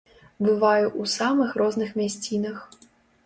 Бываю ў самых розных мясцінах.